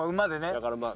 だからまあ。